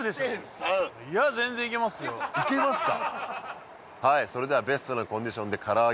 いけますか？